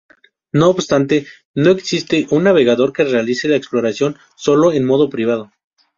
No obstante, no existe un navegador que realice la exploración sólo en modo privado.